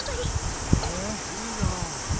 へえいいなあ。